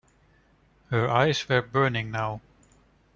Her eyes were burning now.